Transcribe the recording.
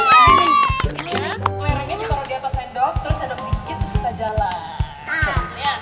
klerengnya kita taruh di atas sendok terus sendok tinggi terus kita jalan